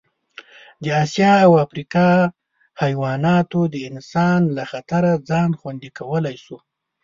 د اسیا او افریقا حیواناتو د انسان له خطره ځان خوندي کولی شو.